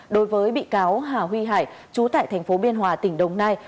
đối với bị cáo hà huy hải trú tại thành phố biên hòa tỉnh đồng nai